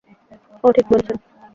ওহ, ঠিক বলেছেন।